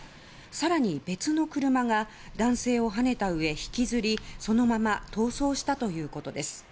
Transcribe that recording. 更に別の車が男性をはねたうえ引きずりそのまま逃走したということです。